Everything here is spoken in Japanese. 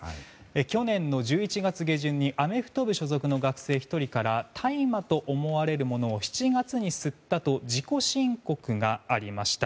去年の１１月下旬にアメフト部所属の学生１人から大麻と思われるものを７月に吸ったと自己申告がありました。